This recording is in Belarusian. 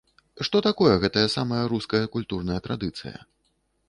Што такое гэтая самая руская культурная традыцыя?